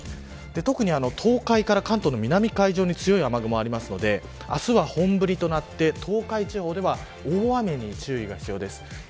特に東海から関東の南海上に強い雨雲がありますので明日は本降りとなって東海地方では大雨に注意が必要です。